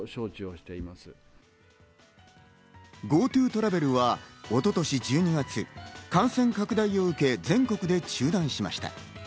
ＧｏＴｏトラベルは一昨年１２月、感染拡大を受け、全国で中断しました。